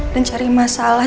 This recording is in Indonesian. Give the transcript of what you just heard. dan cari masalah